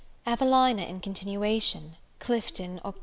EVELINA IN CONTINUATION. Clifton, Oct.